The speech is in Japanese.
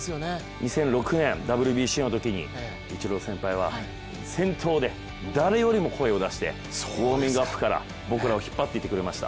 ２００６年、ＷＢＣのときにイチロー先輩は先頭で、誰よりも声を出して、ウォーミングアップから僕らを引っ張っていってくれました。